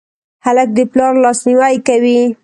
هلک د پلار لاسنیوی کوي.